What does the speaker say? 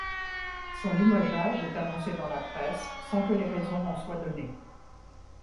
Son limogeage est annoncé dans la presse sans que les raisons en soient données.